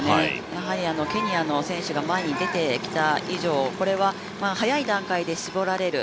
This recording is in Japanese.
やはりケニアの選手が前に出てきた以上これは早い段階で絞られる。